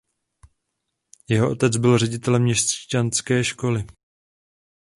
Jeho otec byl ředitelem měšťanské školy.